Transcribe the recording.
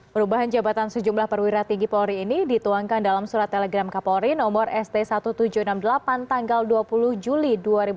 perubahan jabatan sejumlah perwira tinggi polri ini dituangkan dalam surat telegram kapolri nomor st seribu tujuh ratus enam puluh delapan tanggal dua puluh juli dua ribu dua puluh